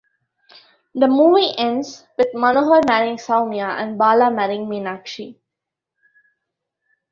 The movie ends with Manohar marrying Sowmya and Bala marrying Meenakshi.